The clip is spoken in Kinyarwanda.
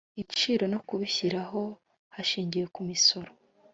ibiciro no kubishyiraho hashingiwe kumisoro